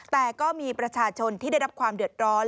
แต่ก็มีประชาชนที่ได้รับความเดือดร้อน